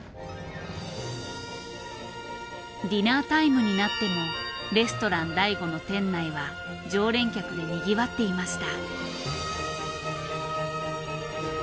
ディナータイムになってもレストラン醍醐の店内は常連客でにぎわっていました。